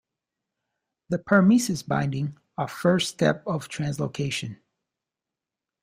The permeases binding are first step of translocation.